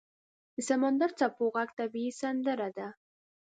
• د سمندر څپو ږغ طبیعي سندره ده.